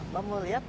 mbak mau lihat